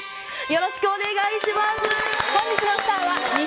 よろしくお願いします。